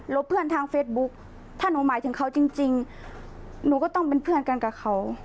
เพื่อนทางเฟซบุ๊กถ้าหนูหมายถึงเขาจริงหนูก็ต้องเป็นเพื่อนกันกับเขา